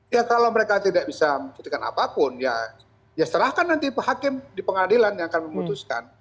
ya kalau mereka tidak bisa membuktikan apapun ya ya serahkan nanti hakim di pengadilan yang akan memutuskan